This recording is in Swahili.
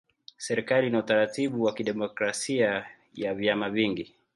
Serikali ina utaratibu wa kidemokrasia ya vyama vingi.